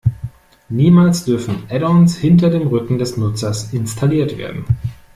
Niemals dürfen Add-ons hinter dem Rücken des Nutzers installiert werden.